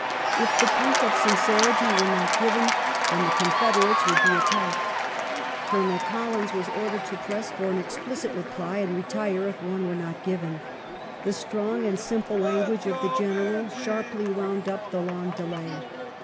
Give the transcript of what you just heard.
If the proof of sincerity were not given, then the confederates would be attacked. Colonel Collins was ordered to press for an explicit reply, and retire if one were not given. The strong and simple language of the General sharply wound up the long delay.